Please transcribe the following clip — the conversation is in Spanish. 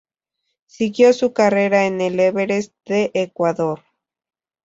Siguió su carrera en el Everest de Ecuador.